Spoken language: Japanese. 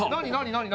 何？